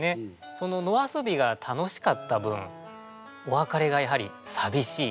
その野遊びが楽しかった分お別れがやはり寂しい。